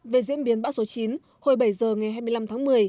về diễn biến bão số chín hồi bảy giờ ngày hai mươi năm tháng một mươi